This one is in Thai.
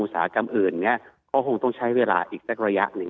สาหกรรมอื่นก็คงต้องใช้เวลาอีกสักระยะหนึ่ง